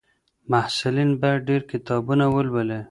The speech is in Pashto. محصلین باید ډېر کتابونه ولولي.